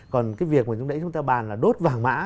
còn cái việc mà chúng ta bàn là đốt vàng mã